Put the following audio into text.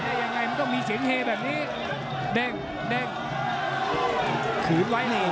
อ่อนหนิตอ่อนหน่อยนี่ยุงอ้าวหักแก๊งไม่ล้ม